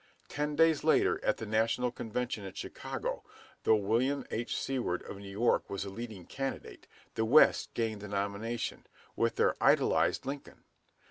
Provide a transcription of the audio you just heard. Ten days later, at the National Convention at Chicago, though William H. Seward of New York was a leading candidate, the West gained the nomination, with their idolized Lincoln.